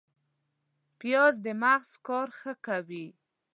پیاز د مغز کار ښه کوي